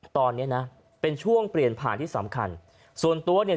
ตอนนี้นะเป็นช่วงเปลี่ยนผ่านที่สำคัญส่วนตัวเนี่ย